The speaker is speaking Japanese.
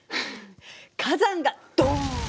火山がドン！